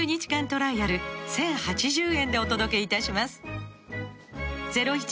トライアル１０８０円でお届けいたします